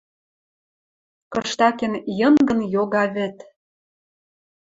Кыштакен Йынгын йога вӹд